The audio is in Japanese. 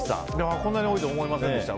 こんなに多いと思いませんでした。